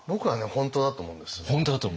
本当だと思うんですよ。